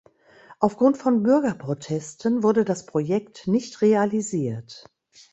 Aufgrund von Bürgerprotesten wurde das Projekt nicht realisiert.